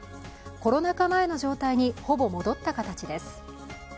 コロナ禍前の状態に、ほぼ戻った形です。